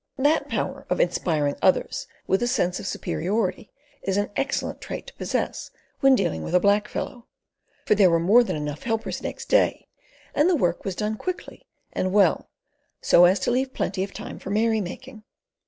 That power of inspiring others with a sense of superiority is an excellent trait to possess when dealing with a black fellow, for there were more than enough helpers next day, and the work was done quickly and well, so as to leave plenty of time for merry making.